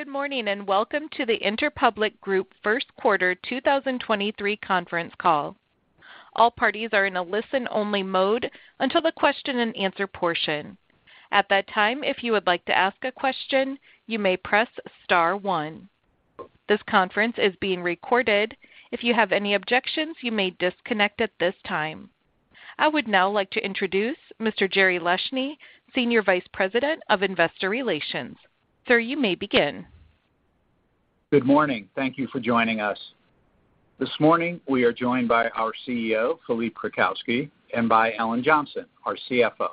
Good morning, welcome to the Interpublic Group First Quarter 2023 Conference Call. All parties are in a listen-only mode until the question-and-answer portion. At that time, if you would like to ask a question, you may press star one. This conference is being recorded. If you have any objections, you may disconnect at this time. I would now like to introduce Mr. Jerry Leshne, Senior Vice President of Investor Relations. Sir, you may begin. Good morning. Thank you for joining us. This morning, we are joined by our CEO, Philippe Krakowsky, and by Ellen Johnson, our CFO.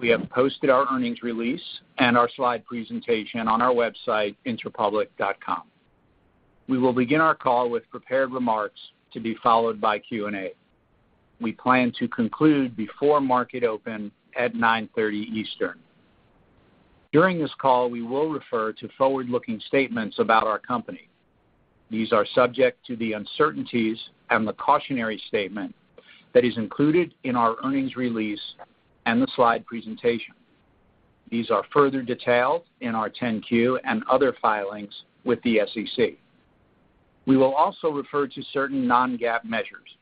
We have posted our earnings release and our slide presentation on our website, interpublic.com. We will begin our call with prepared remarks to be followed by Q&A. We plan to conclude before market open at 9:30A.M. Eastern. During this call, we will refer to forward-looking statements about our company. These are subject to the uncertainties and the cautionary statement that is included in our earnings release and the slide presentation. These are further detailed in our 10-Q and other filings with the SEC. We will also refer to certain non-GAAP measures.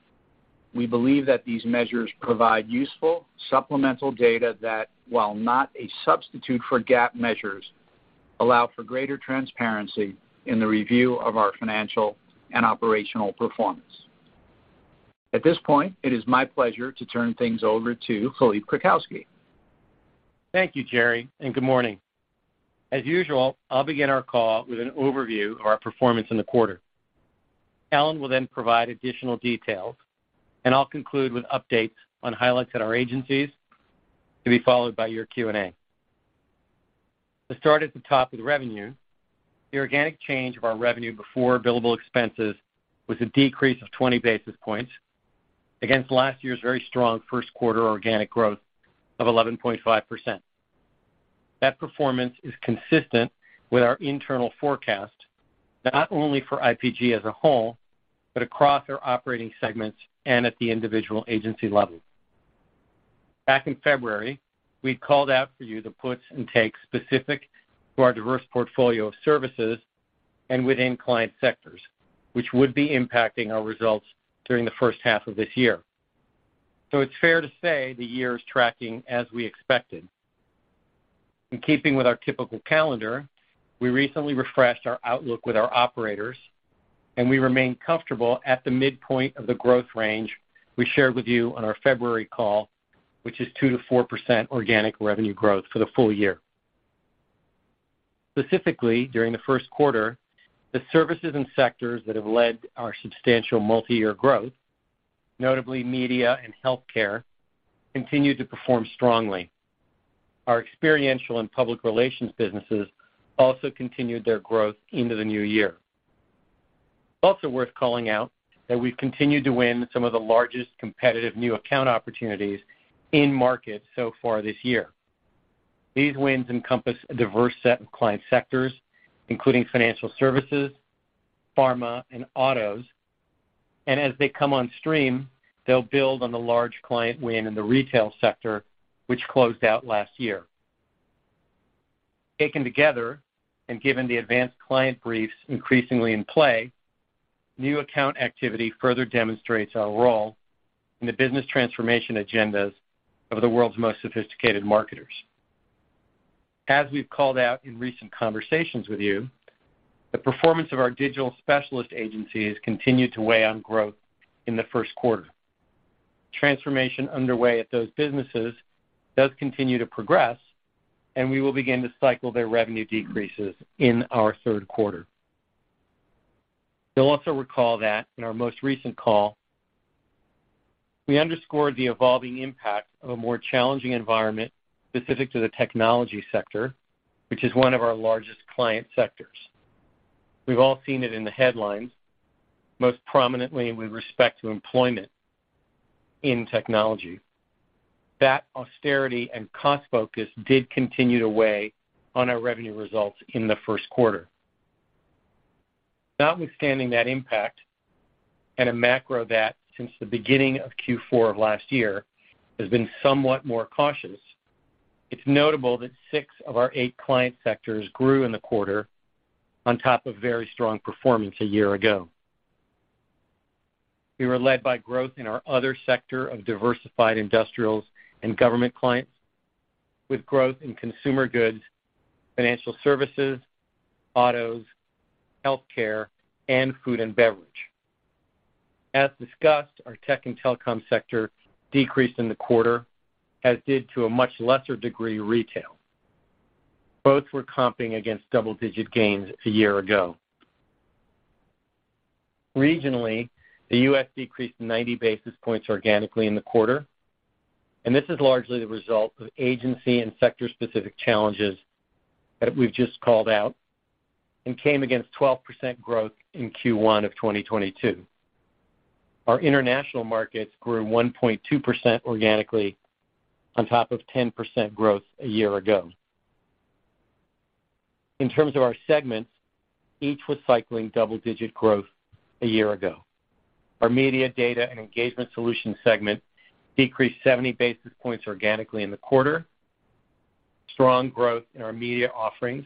We believe that these measures provide useful supplemental data that, while not a substitute for GAAP measures, allow for greater transparency in the review of our financial and operational performance. At this point, it is my pleasure to turn things over to Philippe Krakowsky. Thank you, Jerry. Good morning. As usual, I'll begin our call with an overview of our performance in the quarter. Ellen will provide additional details. I'll conclude with updates on highlights at our agencies, to be followed by your Q&A. To start at the top with revenue, the organic change of our revenue before billable expenses was a decrease of 20 basis points against last year's very strong first quarter organic growth of 11.5%. That performance is consistent with our internal forecast, not only for IPG as a whole, across our operating segments and at the individual agency level. Back in February, I called out for you the puts and takes specific to our diverse portfolio of services and within client sectors, which would be impacting our results during the first half of this year. It's fair to say the year is tracking as we expected. In keeping with our typical calendar, we recently refreshed our outlook with our operators, and we remain comfortable at the midpoint of the growth range we shared with you on our February call, which is 2%-4% organic revenue growth for the full year. Specifically, during the first quarter, the services and sectors that have led our substantial multi-year growth, notably media and healthcare, continued to perform strongly. Our experiential and public relations businesses also continued their growth into the new year. Worth calling out that we've continued to win some of the largest competitive new account opportunities in market so far this year. These wins encompass a diverse set of client sectors, including financial services, pharma, and autos. As they come on stream, they'll build on the large client win in the retail sector, which closed out last year. Taken together, and given the advanced client briefs increasingly in play, new account activity further demonstrates our role in the business transformation agendas of the world's most sophisticated marketers. As we've called out in recent conversations with you, the performance of our digital specialist agencies continued to weigh on growth in the first quarter. Transformation underway at those businesses does continue to progress, and we will begin to cycle their revenue decreases in our third quarter. You'll also recall that in our most recent call, we underscored the evolving impact of a more challenging environment specific to the technology sector, which is one of our largest client sectors. We've all seen it in the headlines, most prominently with respect to employment in technology. That austerity and cost focus did continue to weigh on our revenue results in the first quarter. Notwithstanding that impact and a macro that, since the beginning of Q4 of last year, has been somewhat more cautious, it's notable that six of our eight client sectors grew in the quarter on top of very strong performance a year ago. We were led by growth in our other sector of diversified industrials and government clients with growth in consumer goods, financial services, autos, healthcare, and food and beverage. As discussed, our tech and telecom sector decreased in the quarter, as did to a much lesser degree, retail. Both were comping against double-digit gains a year ago. Regionally, the U.S. decreased 90 basis points organically in the quarter, this is largely the result of agency and sector-specific challenges that we've just called out and came against 12% growth in Q1 of 2022. Our international markets grew 1.2% organically on top of 10% growth a year ago. In terms of our segments, each was cycling double-digit growth a year ago. Our media data and engagement solutions segment decreased 70 basis points organically in the quarter. Strong growth in our media offerings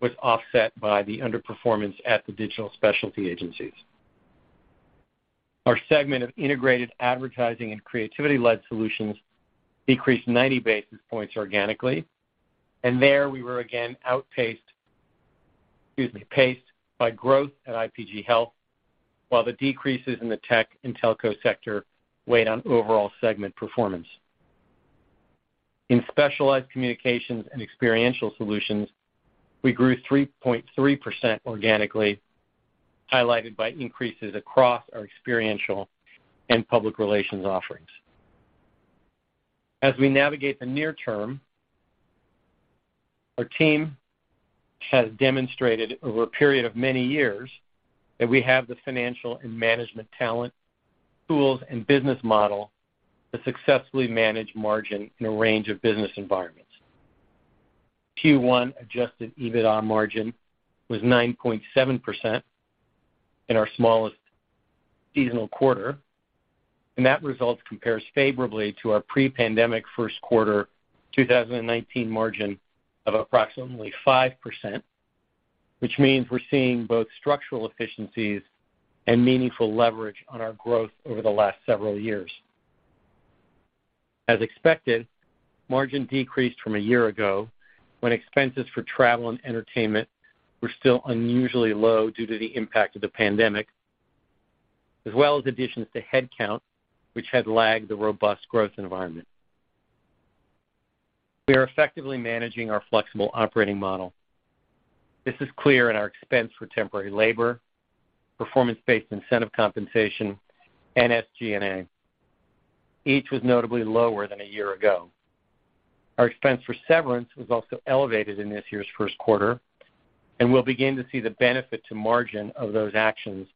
was offset by the underperformance at the digital specialty agencies. Our segment of integrated advertising and creativity-led solutions decreased 90 basis points organically, there we were again excuse me, paced by growth at IPG Health, while the decreases in the tech and telco sector weighed on overall segment performance. In specialized communications and experiential solutions, we grew 3.3% organically, highlighted by increases across our experiential and public relations offerings. As we navigate the near term, our team has demonstrated over a period of many years that we have the financial and management talent, tools, and business model to successfully manage margin in a range of business environments. Q1 adjusted EBITDA margin was 9.7% in our smallest seasonal quarter. That result compares favorably to our pre-pandemic first quarter 2019 margin of approximately 5%, which means we're seeing both structural efficiencies and meaningful leverage on our growth over the last several years. As expected, margin decreased from a year ago when expenses for travel and entertainment were still unusually low due to the impact of the pandemic, as well as additions to headcount, which had lagged the robust growth environment. We are effectively managing our flexible operating model. This is clear in our expense for temporary labor, performance-based incentive compensation, and SG&A. Each was notably lower than a year ago. Our expense for severance was also elevated in this year's first quarter. We'll begin to see the benefit to margin of those actions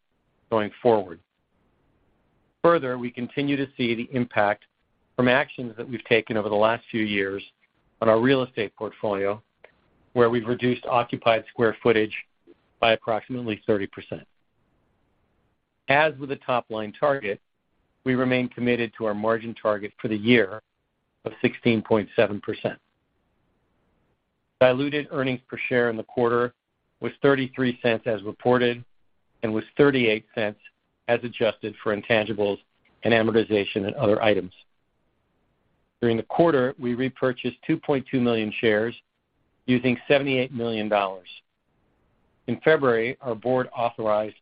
going forward. Further, we continue to see the impact from actions that we've taken over the last few years on our real estate portfolio, where we've reduced occupied square footage by approximately 30%. As with the top-line target, we remain committed to our margin target for the year of 16.7%. Diluted earnings per share in the quarter was $0.33 as reported and was $0.38 as adjusted for intangibles and amortization and other items. During the quarter, we repurchased 2.2 million shares using $78 million. In February, our board authorized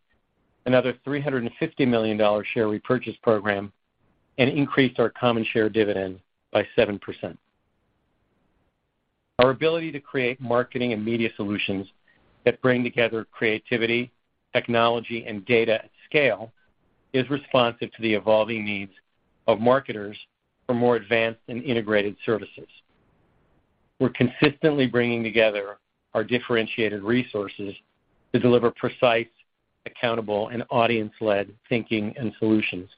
another $350 million share repurchase program and increased our common share dividend by 7%. Our ability to create marketing and media solutions that bring together creativity, technology, and data at scale is responsive to the evolving needs of marketers for more advanced and integrated services. We're consistently bringing together our differentiated resources to deliver precise, accountable, and audience-led thinking and solutions.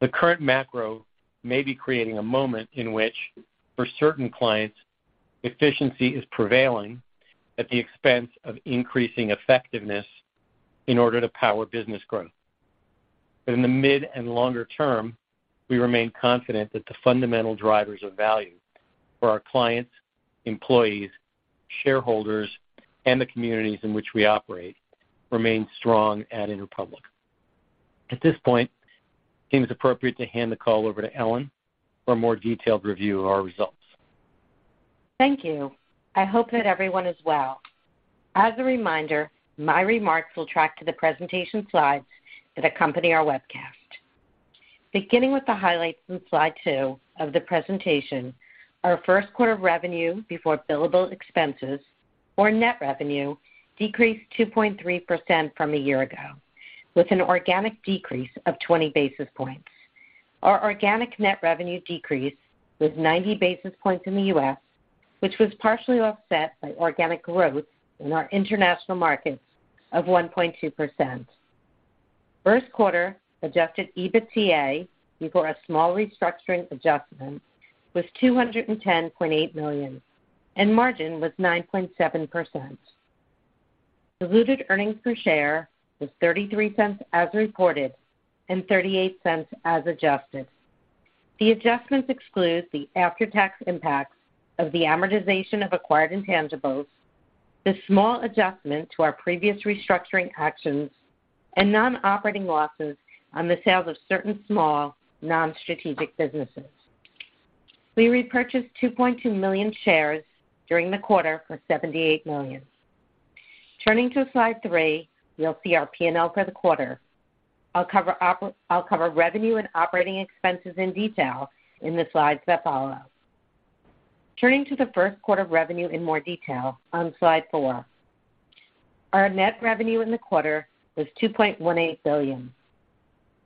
The current macro may be creating a moment in which, for certain clients, efficiency is prevailing at the expense of increasing effectiveness in order to power business growth. In the mid and longer term, we remain confident that the fundamental drivers of value for our clients, employees, shareholders, and the communities in which we operate remain strong at Interpublic. At this point, it seems appropriate to hand the call over to Ellen for a more detailed review of our results. Thank you. I hope that everyone is well. As a reminder, my remarks will track to the presentation slides that accompany our webcast. Beginning with the highlights on slide two of the presentation, our first quarter revenue before billable expenses or net revenue decreased 2.3% from a year ago, with an organic decrease of 20 basis points. Our organic net revenue decreased with 90 basis points in the U.S., which was partially offset by organic growth in our international markets of 1.2%. First quarter adjusted EBITDA before a small restructuring adjustment was $210.8 million, and margin was 9.7%. Diluted earnings per share was $0.33 as reported and $0.38 as adjusted. The adjustments exclude the after-tax impacts of the amortization of acquired intangibles, the small adjustment to our previous restructuring actions, and non-operating losses on the sales of certain small non-strategic businesses. We repurchased 2.2 million shares during the quarter for $78 million. Turning to slide three, you'll see our P&L for the quarter. I'll cover revenue and operating expenses in detail in the slides that follow. Turning to the first quarter revenue in more detail on slide four. Our net revenue in the quarter was $2.18 billion.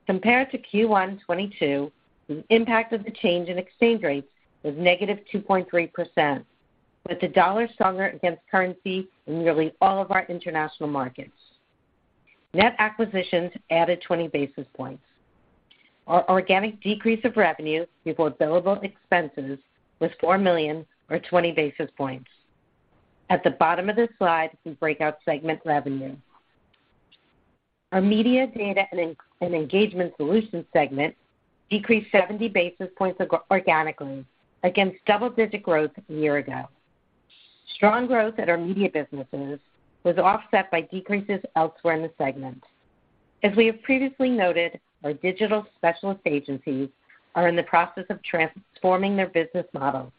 Compared to Q1 2022, the impact of the change in exchange rates was -2.3%, with the dollar stronger against currency in nearly all of our international markets. Net acquisitions added 20 basis points. Our organic decrease of revenue before billable expenses was $4 million or 20 basis points. At the bottom of this slide, we break out segment revenue. Our media data and engagement solutions segment decreased 70 basis points organically against double-digit growth a year ago. Strong growth at our media businesses was offset by decreases elsewhere in the segment. As we have previously noted, our digital specialist agencies are in the process of transforming their business model,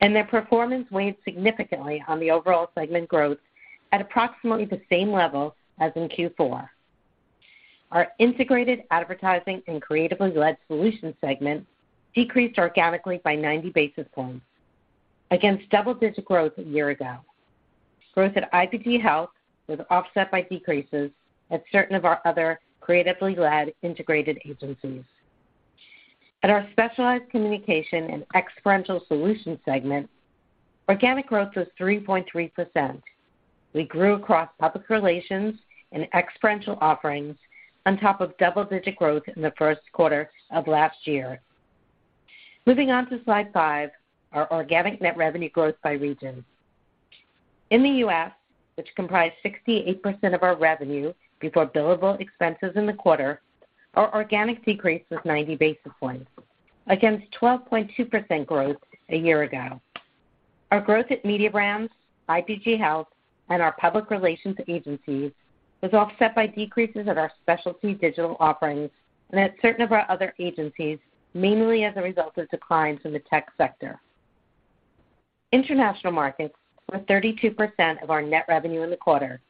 and their performance weighed significantly on the overall segment growth at approximately the same level as in Q4. Our integrated advertising and creatively led solutions segment decreased organically by 90 basis points against double-digit growth a year ago. Growth at IPG Health was offset by decreases at certain of our other creatively led integrated agencies. At our specialized communication and experiential solutions segment, organic growth was 3.3%. We grew across public relations and experiential offerings on top of double-digit growth in the first quarter of last year. Moving on to slide five, our organic net revenue growth by regions. In the U.S., which comprised 68% of our revenue before billable expenses in the quarter, our organic decrease was 90 basis points against 12.2% growth a year ago. Our growth at Mediabrands, IPG Health, and our public relations agencies was offset by decreases at our specialty digital offerings and at certain of our other agencies, mainly as a result of declines in the tech sector. International markets, for 32% of our net revenue in the quarter,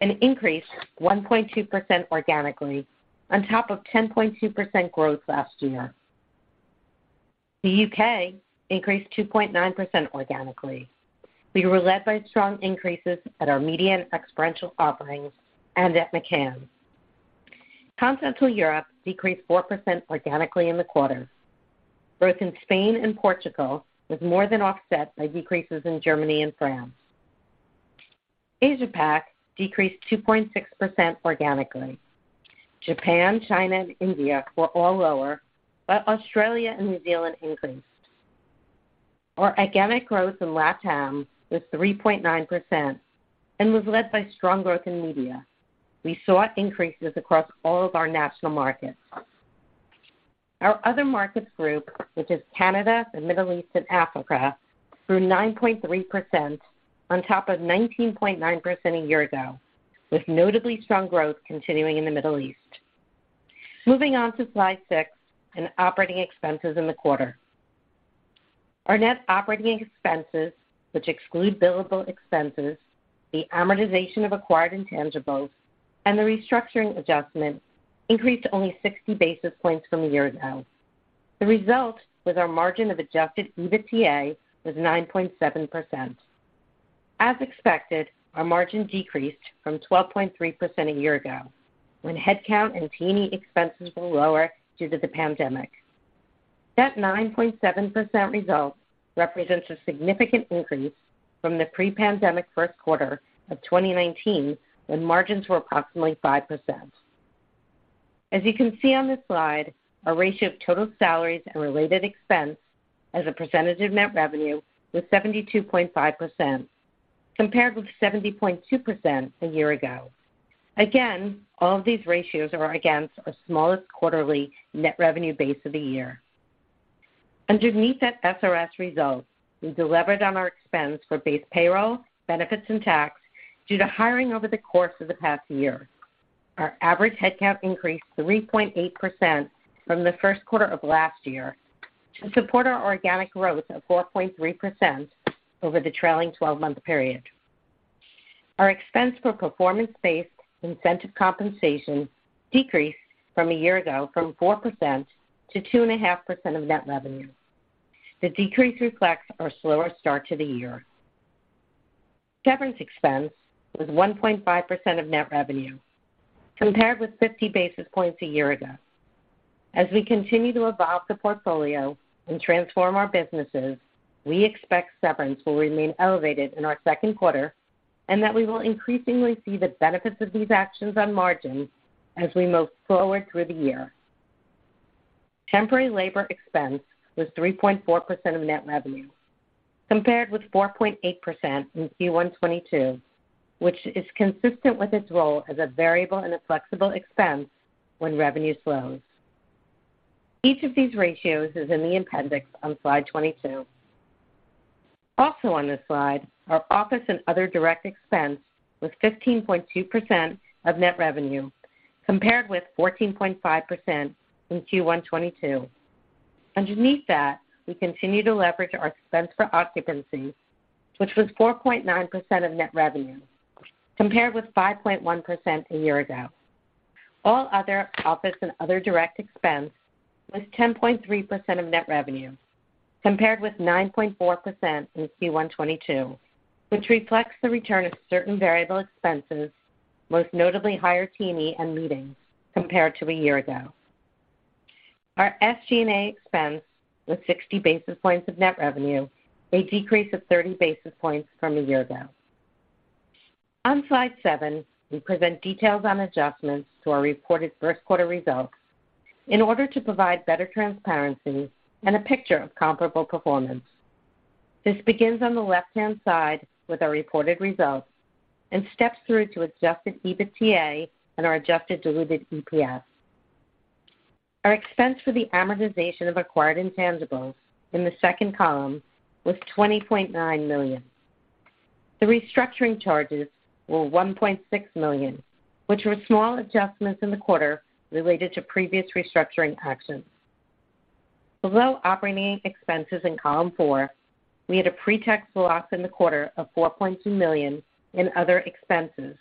increased 1.2% organically on top of 10.2% growth last year. The U.K. increased 2.9% organically. We were led by strong increases at our media and experiential offerings and at McCann. Continental Europe decreased 4% organically in the quarter. Growth in Spain and Portugal was more than offset by decreases in Germany and France. Asia-Pac decreased 2.6% organically. Japan, China, and India were all lower, but Australia and New Zealand increased. Our organic growth in LATAM was 3.9% and was led by strong growth in media. We saw increases across all of our national markets. Our other markets group, which is Canada, the Middle East, and Africa, grew 9.3% on top of 19.9% a year ago, with notably strong growth continuing in the Middle East. Moving on to slide six and operating expenses in the quarter. Our net operating expenses, which exclude billable expenses, the amortization of acquired intangibles, and the restructuring adjustment, increased only 60 basis points from a year ago. The result with our margin of adjusted EBITDA was 9.7%. As expected, our margin decreased from 12.3% a year ago when headcount and team expenses were lower due to the pandemic. That 9.7% result represents a significant increase from the pre-pandemic first quarter of 2019 when margins were approximately 5%. As you can see on this slide, our ratio of total salaries and related expense as a percentage of net revenue was 72.5%, compared with 70.2% a year ago. All of these ratios are against our smallest quarterly net revenue base of the year. Underneath that SRS result, we delivered on our expense for base payroll, benefits, and tax due to hiring over the course of the past year. Our average headcount increased 3.8% from the first quarter of last year to support our organic growth of 4.3% over the trailing 12-month period. Our expense for performance-based incentive compensation decreased from a year ago from 4%-2.5% of net revenue. The decrease reflects our slower start to the year. Severance expense was 1.5% of net revenue, compared with 50 basis points a year ago. As we continue to evolve the portfolio and transform our businesses, we expect severance will remain elevated in our second quarter and that we will increasingly see the benefits of these actions on margins as we move forward through the year. Temporary labor expense was 3.4% of net revenue, compared with 4.8% in Q1 2022, which is consistent with its role as a variable and a flexible expense when revenue slows. Each of these ratios is in the appendix on slide 22. Also on this slide, our office and other direct expense was 15.2% of net revenue, compared with 14.5% in Q1 2022. Underneath that, we continue to leverage our expense for occupancy, which was 4.9% of net revenue, compared with 5.1% a year ago. All other office and other direct expense was 10.3% of net revenue, compared with 9.4% in Q1 2022, which reflects the return of certain variable expenses, most notably higher team lead and meetings compared to a year ago. Our SG&A expense was 60 basis points of net revenue, a decrease of 30 basis points from a year ago. On slide seven, we present details on adjustments to our reported first quarter results in order to provide better transparency and a picture of comparable performance. This begins on the left-hand side with our reported results and steps through to adjusted EBITDA and our adjusted diluted EPS. Our expense for the amortization of acquired intangibles in the second column was $20.9 million. The restructuring charges were $1.6 million, which were small adjustments in the quarter related to previous restructuring actions. Below operating expenses in column four, we had a pre-tax loss in the quarter of $4.2 million in other expenses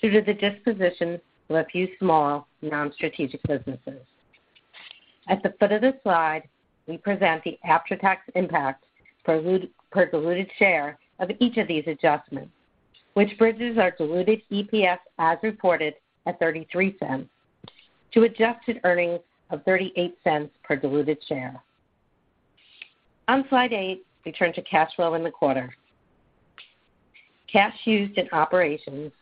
due to the disposition of a few small non-strategic businesses. At the foot of this slide, we present the after-tax impact per diluted share of each of these adjustments, which bridges our diluted EPS as reported at $0.33 to adjusted earnings of $0.38 per diluted share. On slide eight, we turn to cash flow in the quarter. Cash used in operations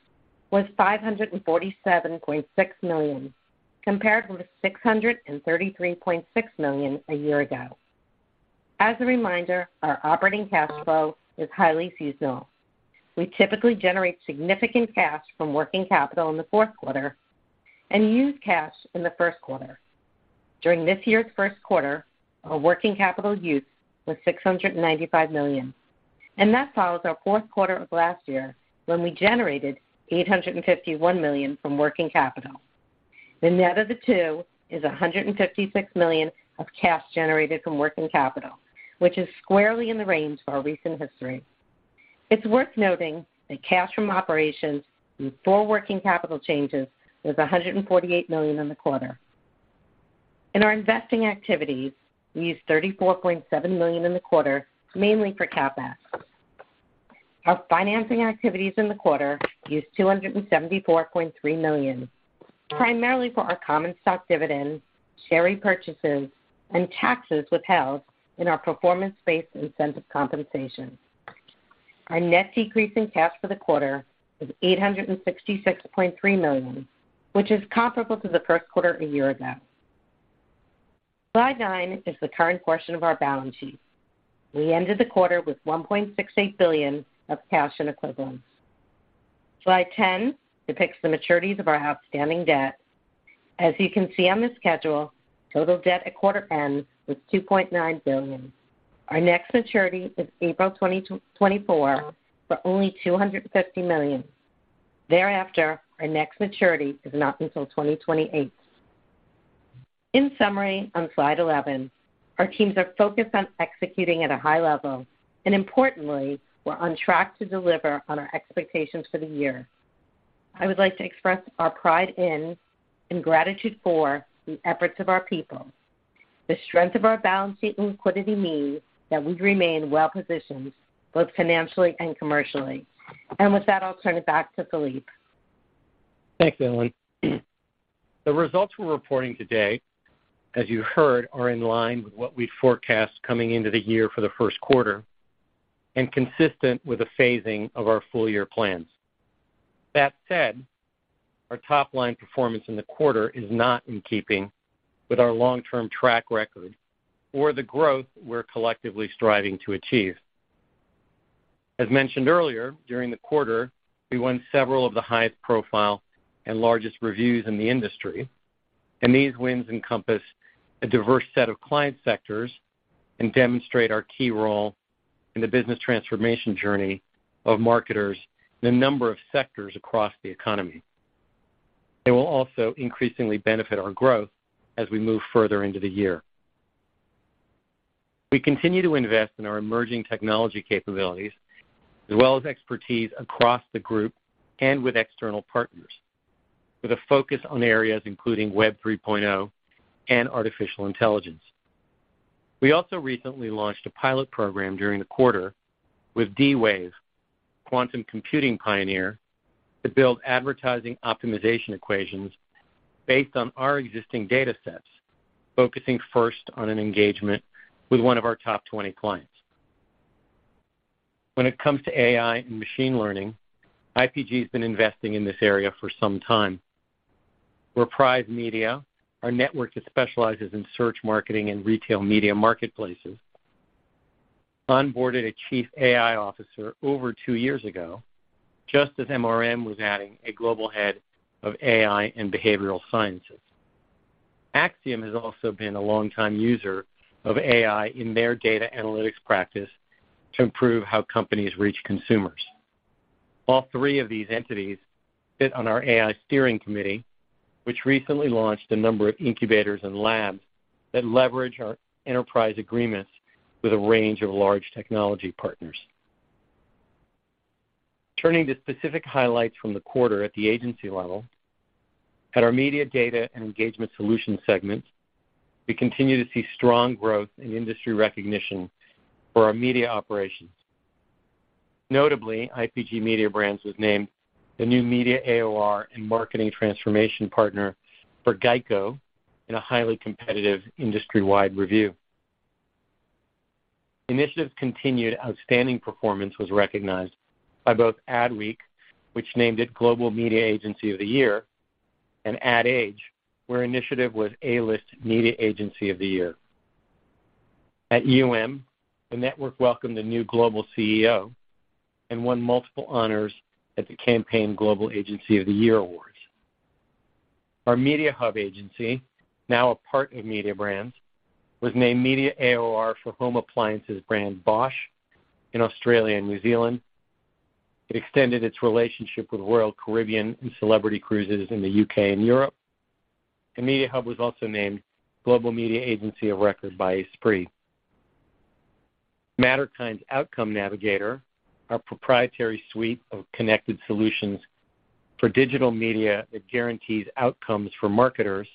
was $547.6 million, compared with $633.6 million a year ago. As a reminder, our operating cash flow is highly seasonal. We typically generate significant cash from working capital in the fourth quarter and use cash in the first quarter. During this year's first quarter, our working capital use was $695 million. That follows our fourth quarter of last year when we generated $851 million from working capital. The net of the two is $156 million of cash generated from working capital, which is squarely in the range of our recent history. It's worth noting that cash from operations before working capital changes was $148 million in the quarter. In our investing activities, we used $34.7 million in the quarter, mainly for CapEx. Our financing activities in the quarter used $274.3 million, primarily for our common stock dividends, share repurchases, and taxes withheld in our performance-based incentive compensation. Our net decrease in cash for the quarter was $866.3 million, which is comparable to the first quarter a year ago. Slide nine is the current portion of our balance sheet. We ended the quarter with $1.68 billion of cash and equivalents. Slide 10 depicts the maturities of our outstanding debt. As you can see on this schedule, total debt at quarter end was $2.9 billion. Our next maturity is April 2024 for only $250 million. Thereafter, our next maturity is not until 2028. In summary, on slide 11, our teams are focused on executing at a high level. Importantly, we're on track to deliver on our expectations for the year. I would like to express our pride in and gratitude for the efforts of our people. The strength of our balance sheet and liquidity means that we remain well positioned, both financially and commercially. With that, I'll turn it back to Philippe. Thanks, Ellen. The results we're reporting today, as you heard, are in line with what we forecast coming into the year for the first quarter and consistent with the phasing of our full year plans. That said, our top-line performance in the quarter is not in keeping with our long-term track record or the growth we're collectively striving to achieve. As mentioned earlier, during the quarter, we won several of the highest profile and largest reviews in the industry, and these wins encompass a diverse set of client sectors and demonstrate our key role in the business transformation journey of marketers in a number of sectors across the economy. They will also increasingly benefit our growth as we move further into the year. We continue to invest in our emerging technology capabilities as well as expertise across the group and with external partners, with a focus on areas including Web 3.0 and Artificial Intelligence. We also recently launched a pilot program during the quarter with D-Wave, quantum computing pioneer, to build advertising optimization equations based on our existing datasets, focusing first on an engagement with one of our top 20 clients. When it comes to AI and machine learning, IPG has been investing in this area for some time. Reprise, our network that specializes in search marketing and retail media marketplaces, onboarded a chief AI officer over two years ago, just as MRM was adding a global head of AI and behavioral sciences. Acxiom has also been a long-time user of AI in their data analytics practice to improve how companies reach consumers. All three of these entities sit on our AI steering committee, which recently launched a number of incubators and labs that leverage our enterprise agreements with a range of large technology partners. Turning to specific highlights from the quarter at the agency level. At our media data and engagement solution segment, we continue to see strong growth in industry recognition for our media operations. Notably, IPG Mediabrands was named the new media AOR and marketing transformation partner for GEICO in a highly competitive industry-wide review. Initiative's continued outstanding performance was recognized by both Adweek, which named it Global Media Agency of the Year, and Ad Age, where Initiative was A-List Media Agency of the Year. At UM, the network welcomed a new global CEO and won multiple honors at the Campaign Global Agency of the Year awards. Our Mediahub agency, now a part of Mediabrands, was named Media AOR for home appliances brand Bosch in Australia and New Zealand. It extended its relationship with Royal Caribbean and Celebrity Cruises in the U.K. and Europe. Mediahub was also named Global Media Agency of Record by Esprit. Matterkind's Outcome Navigator, our proprietary suite of connected solutions for digital media that guarantees outcomes for marketers,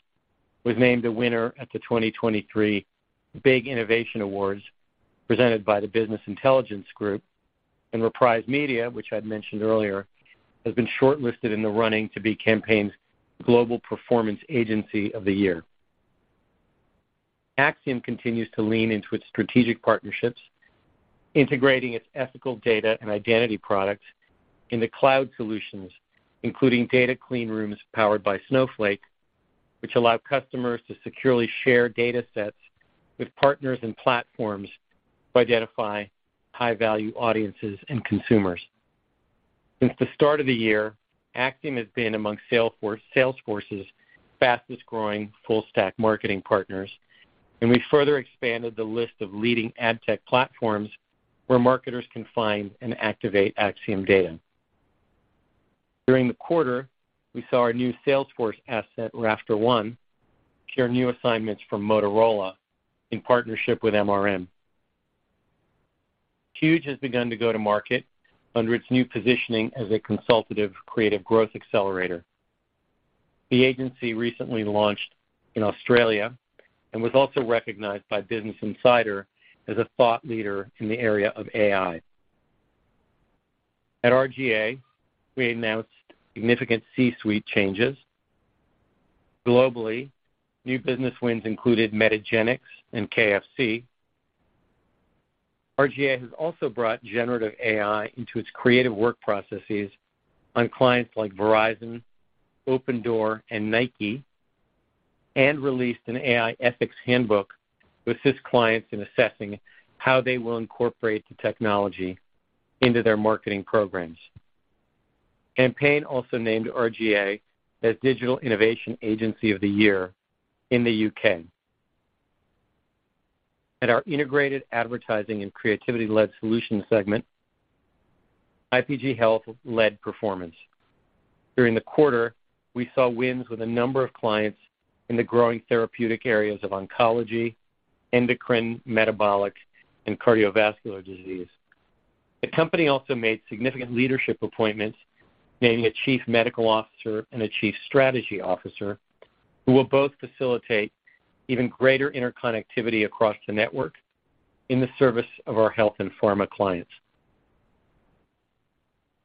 was named a winner at the 2023 BIG Innovation Awards, presented by the Business Intelligence Group and Reprise Media, which I mentioned earlier, has been shortlisted in the running to be Campaign's Global Performance Agency of the Year. Acxiom continues to lean into its strategic partnerships, integrating its ethical data and identity products into cloud solutions, including data clean rooms powered by Snowflake, which allow customers to securely share datasets with partners and platforms to identify high-value audiences and consumers. Since the start of the year, Acxiom has been among Salesforce's fastest-growing full stack marketing partners. We further expanded the list of leading ad tech platforms where marketers can find and activate Acxiom data. During the quarter, we saw our new Salesforce asset, RafterOne, share new assignments from Motorola in partnership with MRM. Huge has begun to go to market under its new positioning as a consultative creative growth accelerator. The agency recently launched in Australia and was also recognized by Business Insider as a thought leader in the area of AI. At R/GA, we announced significant C-suite changes. Globally, new business wins included Metagenics and KFC. R/GA has also brought generative AI into its creative work processes on clients like Verizon, Opendoor, and Nike, and released an AI ethics handbook to assist clients in assessing how they will incorporate the technology into their marketing programs. Campaign named R/GA as Digital Innovation Agency of the Year in the U.K. At our integrated advertising and creativity-led solutions segment, IPG Health led performance. During the quarter, we saw wins with a number of clients in the growing therapeutic areas of oncology, endocrine, metabolic, and cardiovascular disease. The company also made significant leadership appointments, naming a chief medical officer and a chief strategy officer, who will both facilitate even greater interconnectivity across the network in the service of our health and pharma clients.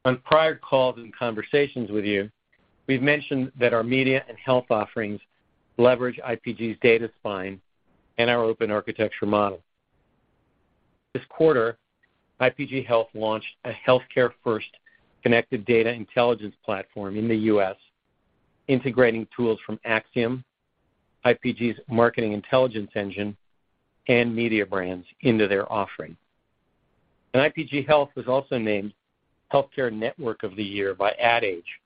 On prior calls and conversations with you, we've mentioned that our media and health offerings leverage IPG's data spine and our open architecture model. This quarter, IPG Health launched a healthcare-first connected data intelligence platform in the U.S., integrating tools from Acxiom, IPG's marketing intelligence engine, and Mediabrands into their offering. IPG Health was also named Healthcare Network of the Year by Ad Age,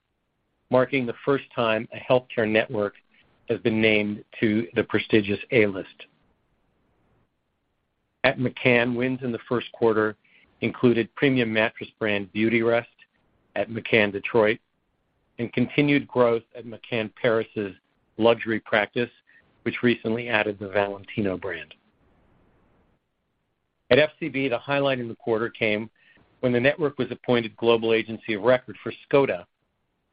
marking the first time a healthcare network has been named to the prestigious A-list. At McCann, wins in the first quarter included premium mattress brand Beautyrest at McCann Detroit and continued growth at McCann Paris' luxury practice, which recently added the Valentino brand. At FCB, the highlight in the quarter came when the network was appointed global agency of record for Škoda,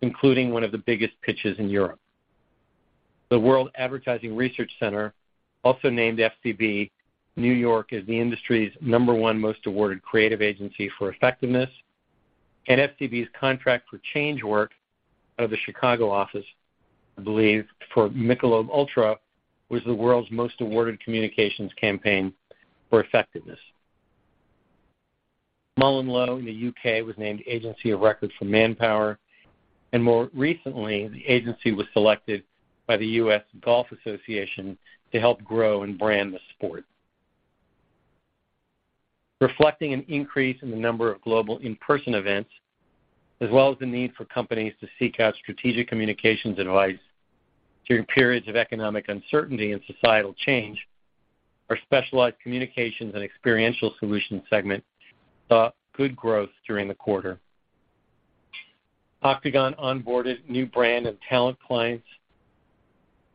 including one of the biggest pitches in Europe. The World Advertising Research Center also named FCB New York as the industry's number one most awarded creative agency for effectiveness, and FCB's Contract for Change work out of the Chicago office, I believe for Michelob ULTRA, was the world's most awarded communications campaign for effectiveness. MullenLowe in the U.K. was named agency of record for Manpower, and more recently, the agency was selected by the U.S. Golf Association to help grow and brand the sport. Reflecting an increase in the number of global in-person events, as well as the need for companies to seek out strategic communications advice during periods of economic uncertainty and societal change, our specialized communications and experiential solutions segment saw good growth during the quarter. Octagon onboarded new brand and talent clients,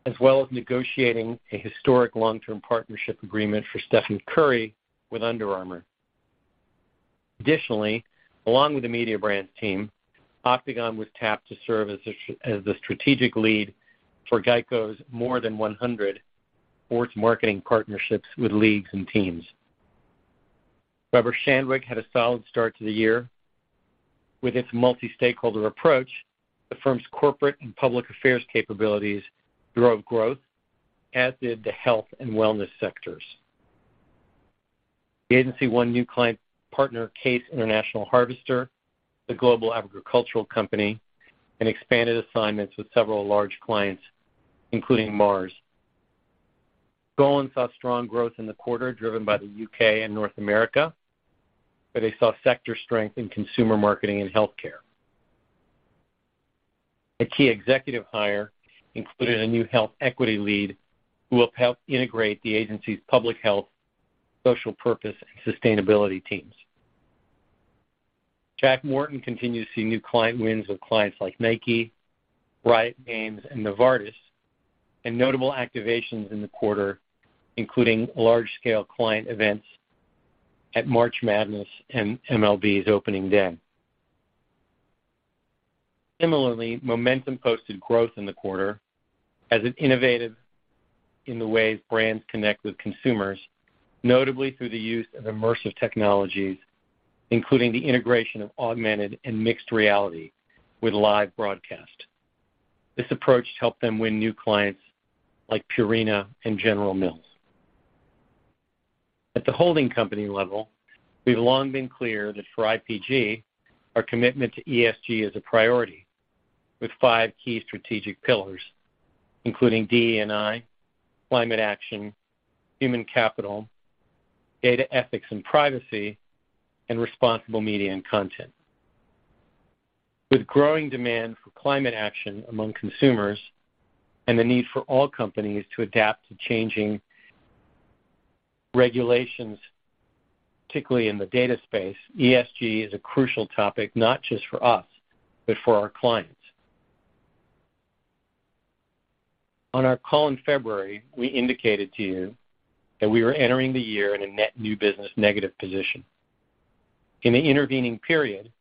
as well as negotiating a historic long-term partnership agreement for Stephen Curry with Under Armour. Additionally, along with the Mediabrands team, Octagon was tapped to serve as the strategic lead for GEICO's more than 100 sports marketing partnerships with leagues and teams. Weber Shandwick had a solid start to the year. With its multi-stakeholder approach, the firm's corporate and public affairs capabilities drove growth, as did the health and wellness sectors. The agency won new client partner Case IH, the global agricultural company, and expanded assignments with several large clients, including Mars. Golin saw strong growth in the quarter, driven by the U.K. and North America, where they saw sector strength in consumer marketing and healthcare. A key executive hire included a new health equity lead who will help integrate the agency's public health, social purpose, and sustainability teams. Jack Morton continued to see new client wins with clients like Nike, Riot Games, and Novartis, and notable activations in the quarter, including large-scale client events at March Madness and MLB's opening day. Similarly, Momentum posted growth in the quarter as it innovated in the ways brands connect with consumers, notably through the use of immersive technologies, including the integration of augmented and mixed reality with live broadcast. This approach helped them win new clients like Purina and General Mills. At the holding company level, we've long been clear that for IPG, our commitment to ESG is a priority, with five key strategic pillars, including DE&I, climate action, human capital, data ethics and privacy, and responsible media and content. With growing demand for climate action among consumers and the need for all companies to adapt to changing regulations, particularly in the data space, ESG is a crucial topic, not just for us, but for our clients. On our call in February, we indicated to you that we were entering the year in a net new business negative position. In the intervening period,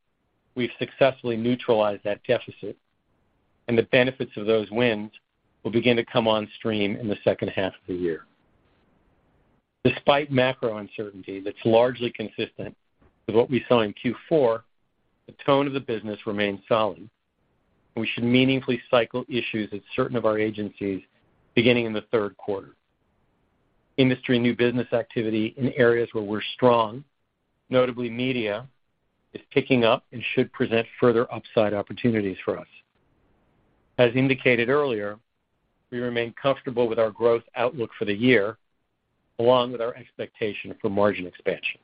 we've successfully neutralized that deficit, and the benefits of those wins will begin to come on stream in the second half of the year. Despite macro uncertainty that's largely consistent with what we saw in Q4, the tone of the business remains solid. We should meaningfully cycle issues at certain of our agencies beginning in the third quarter. Industry new business activity in areas where we're strong, notably media, is picking up and should present further upside opportunities for us. As indicated earlier, we remain comfortable with our growth outlook for the year, along with our expectation for margin expansion.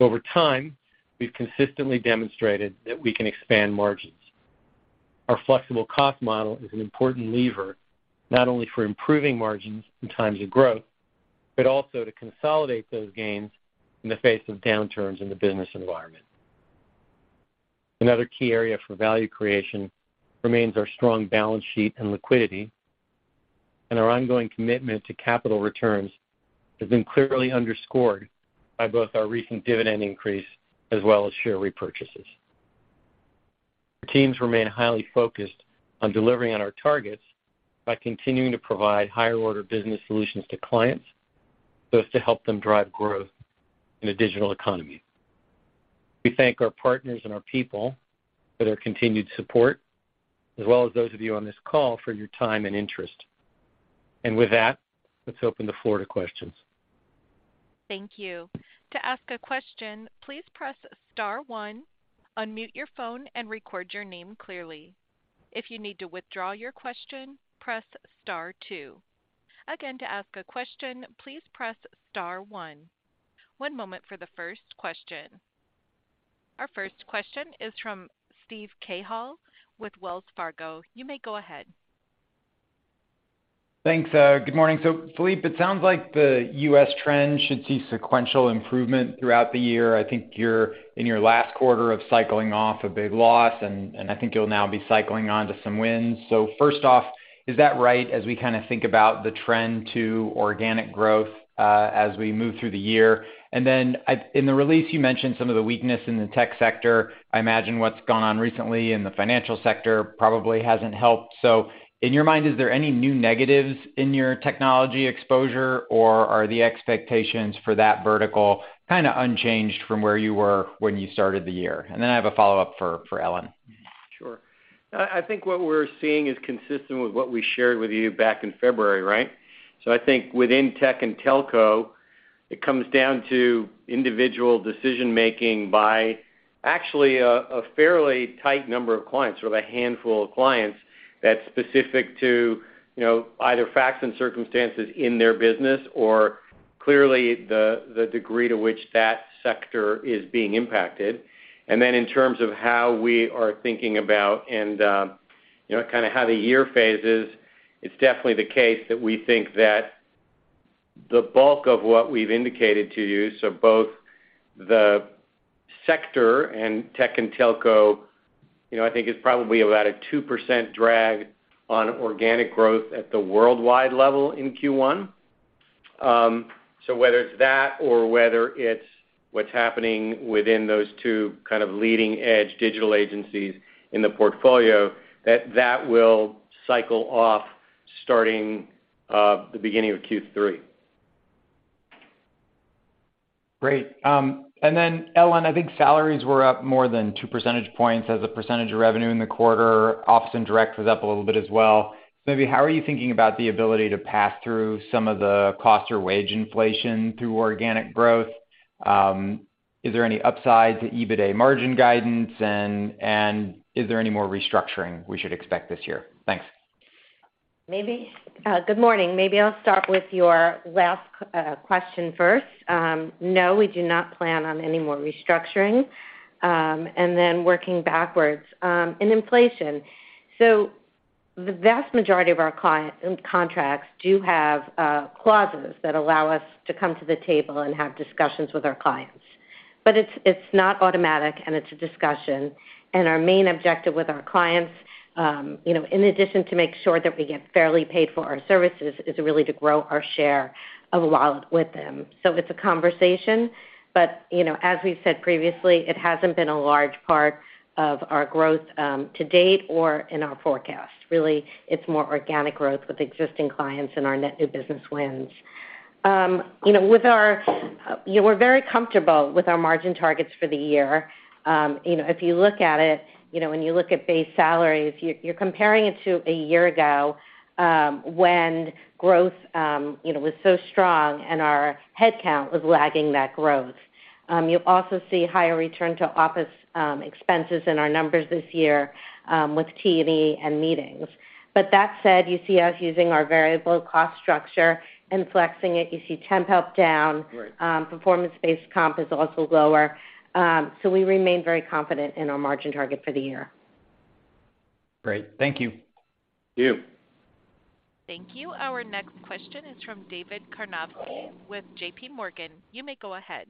Over time, we've consistently demonstrated that we can expand margins. Our flexible cost model is an important lever, not only for improving margins in times of growth, but also to consolidate those gains in the face of downturns in the business environment. Another key area for value creation remains our strong balance sheet and liquidity, and our ongoing commitment to capital returns has been clearly underscored by both our recent dividend increase as well as share repurchases. Our teams remain highly focused on delivering on our targets by continuing to provide higher-order business solutions to clients, both to help them drive growth in a digital economy. We thank our partners and our people for their continued support, as well as those of you on this call for your time and interest. With that, let's open the floor to questions. Thank you. To ask a question, please press star one, unmute your phone, and record your name clearly. If you need to withdraw your question, press star two. Again, to ask a question, please press star one. One moment for the first question. Our first question is from Steve Cahall with Wells Fargo. You may go ahead. Thanks. Good morning. Philippe, it sounds like the U.S. trend should see sequential improvement throughout the year. I think you're in your last quarter of cycling off a big loss, and I think you'll now be cycling on to some wins. First off, is that right, as we kinda think about the trend to organic growth as we move through the year? Then in the release, you mentioned some of the weakness in the tech sector. I imagine what's gone on recently in the financial sector probably hasn't helped. In your mind, is there any new negatives in your technology exposure, or are the expectations for that vertical kinda unchanged from where you were when you started the year? Then I have a follow-up for Ellen. Sure. I think what we're seeing is consistent with what we shared with you back in February, right? I think within tech and telco, it comes down to individual decision-making by actually a fairly tight number of clients, sort of a handful of clients that's specific to, you know, either facts and circumstances in their business or clearly the degree to which that sector is being impacted. In terms of how we are thinking about and, you know, kind of how the year phases, it's definitely the case that we think that the bulk of what we've indicated to you, so both the sector and tech and telco, you know, I think is probably about a 2% drag on organic growth at the worldwide level in Q1. Whether it's that or whether it's what's happening within those two kind of leading-edge digital agencies in the portfolio, that will cycle off starting, the beginning of Q3. Great. Then Ellen, I think salaries were up more than two percentage points as a percentage of revenue in the quarter. Ops and direct was up a little bit as well. Maybe how are you thinking about the ability to pass through some of the cost or wage inflation through organic growth? Is there any upside to EBITDA margin guidance? Is there any more restructuring we should expect this year? Thanks. Good morning. Maybe I'll start with your last question first. No, we do not plan on any more restructuring. Working backwards, in inflation. The vast majority of our contracts do have clauses that allow us to come to the table and have discussions with our clients. It's not automatic, and it's a discussion. Our main objective with our clients, you know, in addition to make sure that we get fairly paid for our services, is really to grow our share of wallet with them. It's a conversation, but, you know, as we've said previously, it hasn't been a large part of our growth to date or in our forecast. It's more organic growth with existing clients and our net new business wins. You know, with our... You know, we're very comfortable with our margin targets for the year. You know, if you look at it, you know, when you look at base salaries, you're comparing it to a year ago, when growth, you know, was so strong and our headcount was lagging that growth. You'll also see higher return to office expenses in our numbers this year, with T&E and meetings. That said, you see us using our variable cost structure and flexing it. You see temp help down. Right. Performance-based comp is also lower. We remain very confident in our margin target for the year. Great. Thank you. Thank you. Thank you. Our next question is from David Karnovsky with JPMorgan. You may go ahead.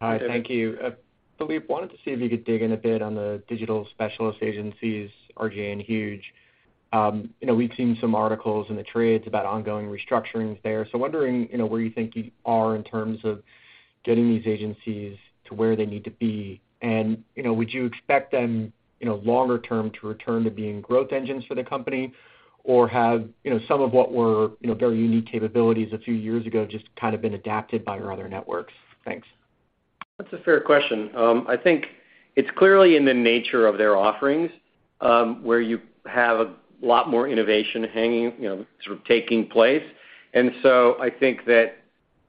Hi. Thank you. Philippe, wanted to see if you could dig in a bit on the digital specialist agencies, R/GA and Huge. you know, we've seen some articles in the trades about ongoing restructurings there. Wondering, you know, where you think you are in terms of getting these agencies to where they need to be, and, you know, would you expect them, you know, longer term to return to being growth engines for the company? Or have, you know, some of what were, you know, very unique capabilities a few years ago, just kind of been adapted by your other networks? Thanks. That's a fair question. I think it's clearly in the nature of their offerings, where you have a lot more innovation hanging taking place. I think that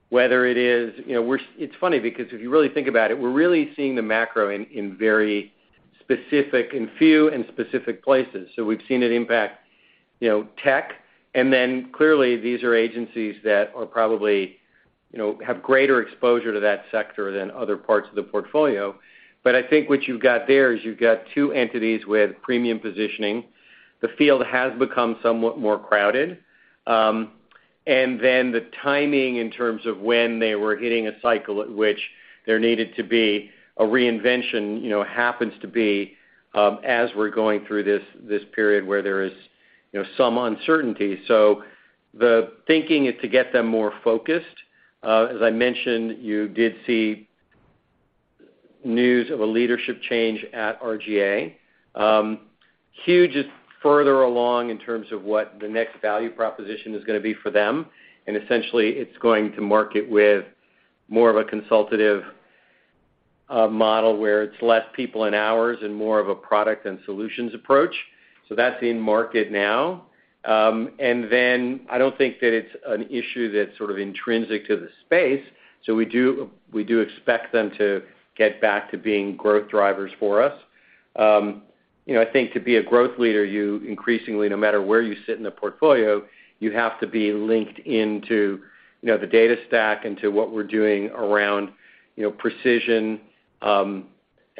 whether it is... it's funny because if you really think about it, we're really seeing the macro in very specific and few and specific places. We've seen it impact, tech, and then clearly these are agencies that are probably have greater exposure to that sector than other parts of the portfolio. I think what you've got there is you've got two entities with premium positioning. The field has become somewhat more crowded. Then the timing in terms of when they were hitting a cycle at which there needed to be a reinvention, you know, happens to be as we're going through this period where there is, you know, some uncertainty. The thinking is to get them more focused. As I mentioned, you did see news of a leadership change at R/GA. Huge is further along in terms of what the next value proposition is gonna be for them, and essentially it's going to market with more of a consultative model where it's less people and hours and more of a product and solutions approach. That's in market now. Then I don't think that it's an issue that's sort of intrinsic to the space, we do expect them to get back to being growth drivers for us. You know, I think to be a growth leader, you increasingly, no matter where you sit in the portfolio, you have to be linked into, you know, the data stack into what we're doing around, you know, precision, and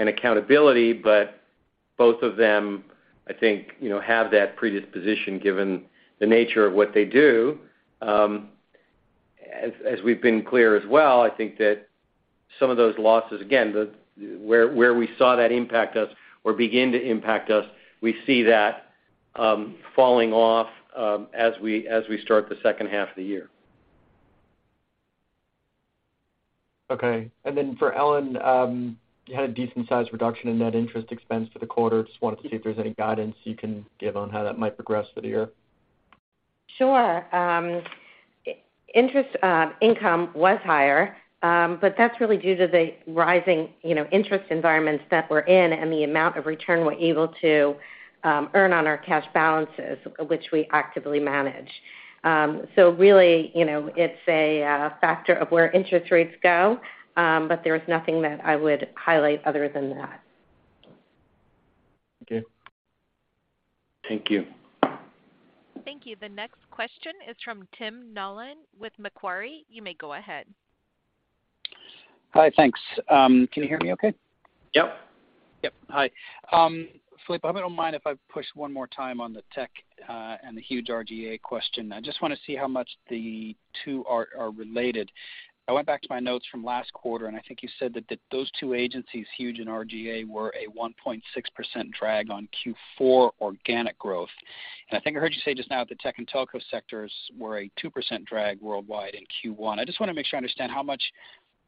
accountability. Both of them, I think, you know, have that predisposition given the nature of what they do. As, as we've been clear as well, I think that some of those losses, again, where we saw that impact us or begin to impact us, we see that falling off as we, as we start the second half of the year. Okay. For Ellen, you had a decent sized reduction in net interest expense for the quarter. Wanted to see if there's any guidance you can give on how that might progress for the year? Sure. Interest income was higher, but that's really due to the rising, you know, interest environments that we're in and the amount of return we're able to earn on our cash balances, which we actively manage. Really, you know, it's a factor of where interest rates go, but there is nothing that I would highlight other than that. Okay. Thank you. Thank you. The next question is from Tim Nollen with Macquarie. You may go ahead. Hi. Thanks. Can you hear me okay? Yep. Yep. Hi. Philippe, I hope you don't mind if I push one more time on the tech and the Hugeand R/GA question. I just wanna see how much the two are related. I went back to my notes from last quarter, I think you said that those two agencies, Huge and R/GA, were a 1.6% drag on Q4 organic growth. I think I heard you say just now that the tech and telco sectors were a 2% drag worldwide in Q1. I just wanna make sure I understand how much.